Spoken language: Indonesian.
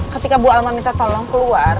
ketika bu alma minta tolong keluar